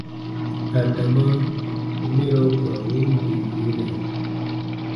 Adama mɛro ku ra win bii yinɛ.